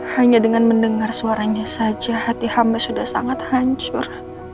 hanya dengan mendengar suaranya saja hati hamba sudah sangat hancur